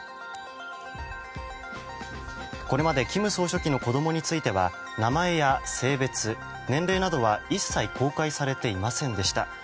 これまで金総書記の子供については名前や性別、年齢などは一切公開されていませんでした。